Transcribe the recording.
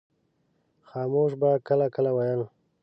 خاموش به کله کله ویل.